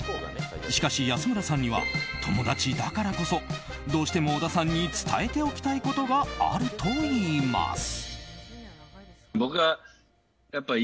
しかし安村さんには友達だからこそ、どうしても小田さんに伝えておきたいことがあるといいます。